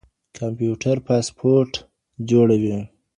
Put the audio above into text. کمپيوټر پاسپورټ جوړوي.